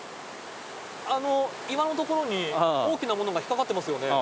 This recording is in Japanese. あの岩の所に大きなものが引っ掛かってますよね。